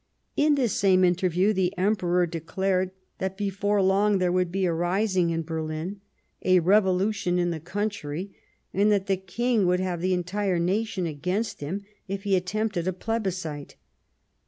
In this same interview the Emperor declared that before long there would be a rising in Berlin, a revolution in the country, and that the King would have the entire nation against him if he attempted a plebiscite.